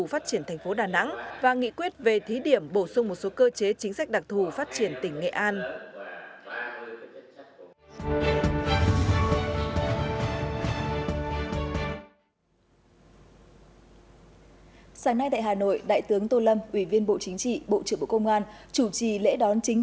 phát triển thành phố đà nẵng và nghị quyết về thí điểm bổ sung một số cơ chế chính sách đặc thù phát triển tỉnh nghệ an